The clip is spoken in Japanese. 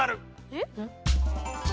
えっ？